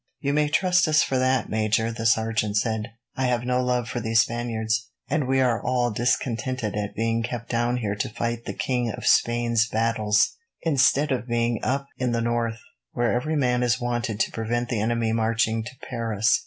"You may trust us for that, Major," the sergeant said. "I have no love for these Spaniards, and we are all discontented at being kept down here to fight the King of Spain's battles, instead of being up in the north, where every man is wanted to prevent the enemy marching to Paris."